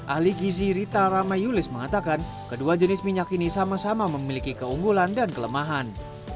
ahli gizi rita ramayulis mengatakan kedua jenis minyak ini sama sama memiliki keunggulan dan kelemahan